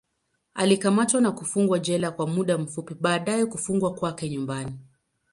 Alikamatwa na kufungwa jela kwa muda fupi, baadaye kufungwa kwake nyumbani.